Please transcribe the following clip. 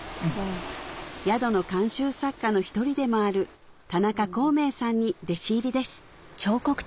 宿の監修作家の一人でもある田中孝明さんに弟子入りです